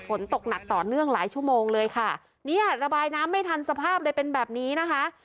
ฝนตกหนักต่อเนื่องหลายชั่วโมงเลยค่ะเนี่ยระบายน้ำไม่ทันสภาพเลยเป็นแบบนี้นะคะ